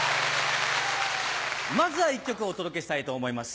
まずは一曲お届けしたいと思います。